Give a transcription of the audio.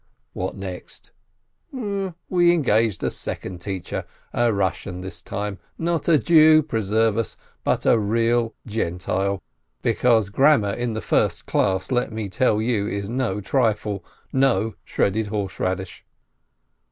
What next? We engaged a second teacher, a Rus sian this time, not a Jew, preserve us, hut a real Gen tile, because grammar in the first class, let me tell you, is no trifle, no shredded horseradish